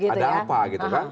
ada apa gitu kan